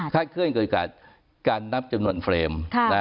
ค่าเคลื่อนกับโอกาสการนับจำนวนเฟรม